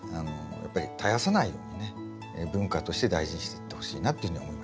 やっぱり絶やさないようにね文化として大事にしてってほしいなっていうふうには思いますね。